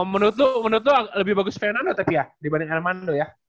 menurut lu lebih bagus fernando tevya dibanding armando ya